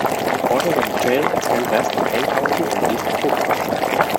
Portions of the trail extend west to Kane County and east to Cook County.